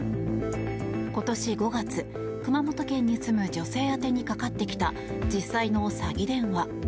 今年５月、熊本県に住む女性宛てにかかってきた実際の詐欺電話。